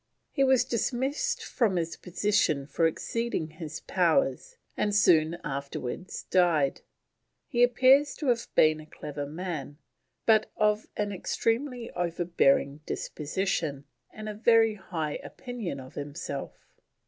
He was dismissed from this position for exceeding his powers, and soon afterwards died. He appears to have been a clever man, but of an extremely overbearing disposition and a very high opinion of himself.